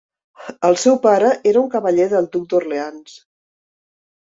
El seu pare era un cavaller del duc d'Orleans.